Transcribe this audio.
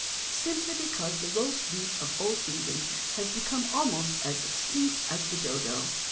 Simply because the Roast Beef of Old England has become almost as extinct as the Dodo.